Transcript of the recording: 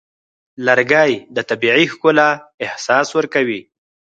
لرګی د طبیعي ښکلا احساس ورکوي.